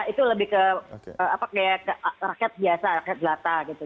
itu lebih ke rakyat biasa rakyat gelata gitu